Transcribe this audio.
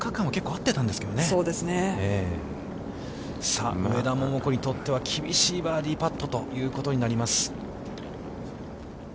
さあ、上田桃子にとっては、厳しいバーディーパットということになります。